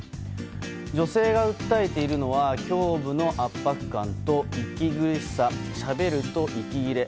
女性が訴えているのは胸部の圧迫感と息苦しさ、しゃべると息切れ。